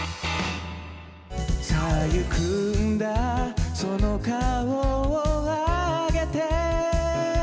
「さあ行くんだその顔をあげて」